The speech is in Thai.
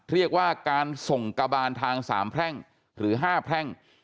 เรียกว่าการส่งกระบานทางสามแพร่งหรือ๕แพร่ง